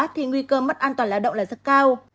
thì nguy cơ mất an toàn lao động là rất cao